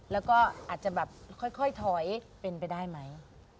แล้วก็อาจจะแบบค่อยถอยเป็นไปได้ไหม